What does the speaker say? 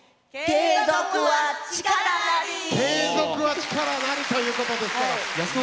「継続は力也」ということですから。